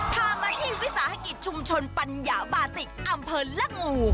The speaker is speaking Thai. พามาที่วิสาหกิจชุมชนปัญญาบาติกอำเภอละงู